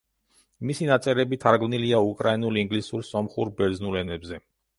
მისი ნაწერები თარგმნილია უკრაინულ, ინგლისურ, სომხურ, ბერძნულ ენებზე.